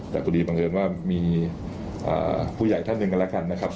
แต่พอดีบังเอิญว่ามีผู้ใหญ่ท่านหนึ่งกันแล้วกันนะครับ